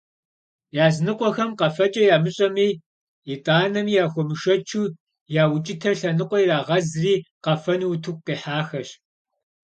Языныкъуэхэм къэфэкӏэ ямыщӏэми, итӏанэми яхуэмышэчу, я укӏытэр лъэныкъуэ ирагъэзри къэфэну утыку къихьахэщ.